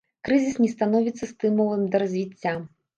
Крызіс не становіцца стымулам да развіцця.